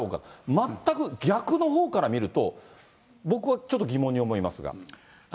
全く逆のほうから見ると、僕はちょっと疑問に思いますが。